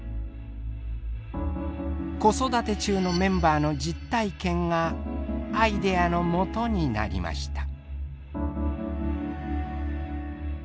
子育て中のメンバーの実体験がアイデアのもとになりました。